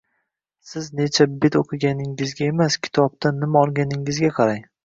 Siz necha bet o‘qiganingizga emas, kitobdan nima olganingizga qarang.